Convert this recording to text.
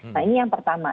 nah ini yang pertama